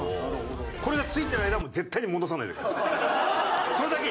これがついている間はもう絶対に戻さないでください。